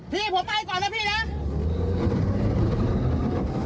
พี่ผมไปก่อนนะพี่นะ